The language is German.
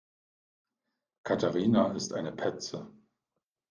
Katharina ist eine Petze.